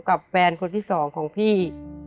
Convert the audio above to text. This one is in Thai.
กับแฟนคนที่สองของพี่